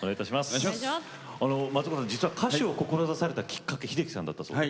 松岡さん、実は歌手を志されたきっかけ、秀樹さんだったそうで。